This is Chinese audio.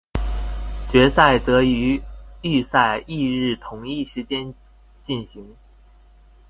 决赛则于预赛翌日同一时间进行。